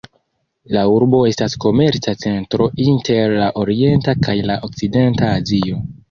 La urbo estas komerca centro inter la orienta kaj la okcidenta Azio.